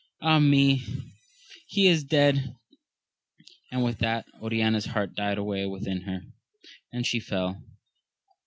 Ah me, he is dead ! and with that Oriana's heart died away within her, and she fell.